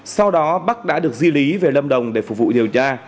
sau đó bắc đã được di lý về lâm đồng để phục vụ điều tra